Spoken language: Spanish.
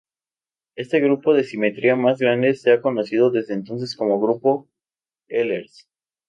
Este grupo de simetría más grande se ha conocido desde entonces como "grupo Ehlers".